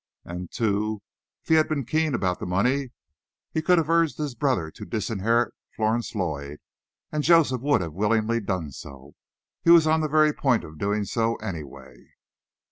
And, too, if he had been keen about the money, he could have urged his brother to disinherit Florence Lloyd, and Joseph would have willingly done so. He was on the very point of doing so, any way."